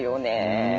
うん。